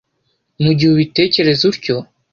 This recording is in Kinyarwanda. Mu gihe ubitekereza utyo,